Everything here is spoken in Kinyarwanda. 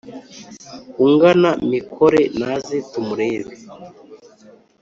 ungana mikore naze tumurebe